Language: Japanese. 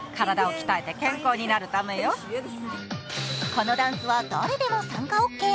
このダンスは誰でも参加オッケー。